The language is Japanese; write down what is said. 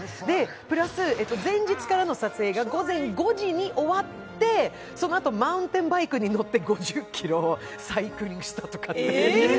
プラス、前日からの撮影が午前５時に終わってそのあとマウンテンバイクに乗って５０ｋｍサイクリングしたと。